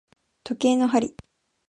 時計の針